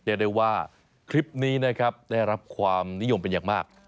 ได้ว่าคลิปนี้นะครับได้รับความนิยมเป็นอย่างมาก